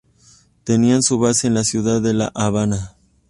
Tenían su base en la ciudad de La Habana.